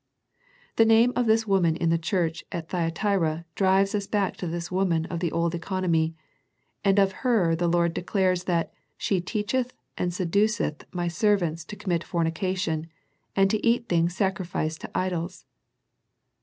The name of this woman in the church at Thyatira drives us back to this woman of the old economy, and of her the Lord declares that she " teacheth and seduceth My servants to commit fornication, and to eat things sacrificed to idols."